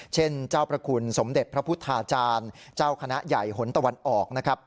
เช่นเจ้าประคุณสมเด็จพระพุทธาจารย์เจ้าคณะใหญ่หนตะวันออกนะครับ